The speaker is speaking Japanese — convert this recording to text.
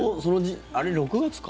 あれ、６月か。